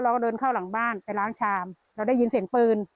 เราก็เดินเข้าหลังบ้านไปล้างชามเราได้ยินเสียงปืน